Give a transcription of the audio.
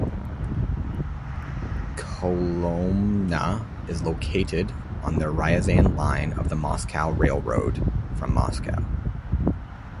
Kolomna is located on the Ryazan line of the Moscow railroad, from Moscow.